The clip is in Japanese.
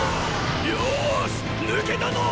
よォし抜けたぞォ！！